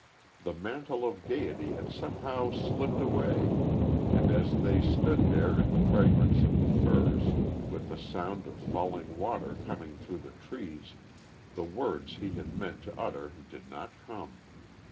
The mantle of gayety had somehow slipped away, and as they stood there in the fragrance of the firs, with the sound of falling water coming through the trees, the words he had meant to utter did not come.